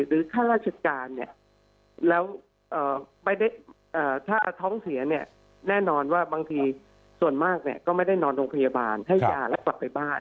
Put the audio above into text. ค่าราชการเนี่ยแล้วถ้าท้องเสียเนี่ยแน่นอนว่าบางทีส่วนมากก็ไม่ได้นอนโรงพยาบาลให้ยาแล้วกลับไปบ้าน